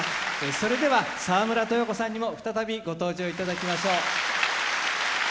それでは沢村豊子さんにも再びご登場いただきましょう。